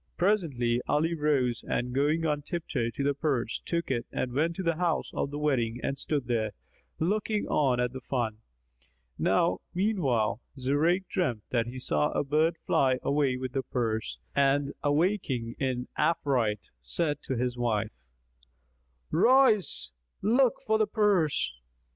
Presently, Ali rose and going on tiptoe to the purse, took it and went to the house of the wedding and stood there, looking on at the fun. Now meanwhile, Zurayk dreamt that he saw a bird fly away with the purse and awaking in affright, said to his wife, "Rise; look for the purse."